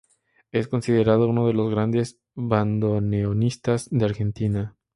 Es considerado uno de los grandes bandoneonistas de Argentina.